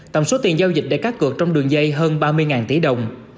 tổng số tiền giao dịch để cắt cược trong đường dây hơn ba mươi tỷ đồng